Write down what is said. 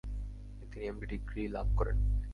তিনি MD degree লাভ করেন।